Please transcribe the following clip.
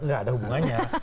nggak ada hubungannya